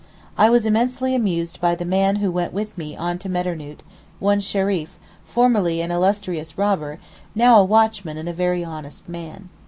I was immensely amused by the man who went with me on to Medarnoot, one Sheriff, formerly an illustrious robber, now a watchman and very honest man.